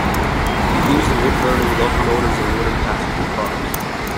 It used wood-burning locomotives and wooden passenger cars.